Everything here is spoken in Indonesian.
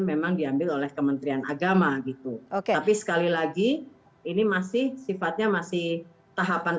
memang diambil oleh kementerian agama gitu oke tapi sekali lagi ini masih sifatnya masih tahapan